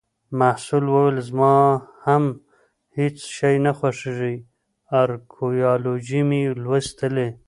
محصل وویل: زما هم هیڅ شی نه خوښیږي. ارکیالوجي مې لوستلې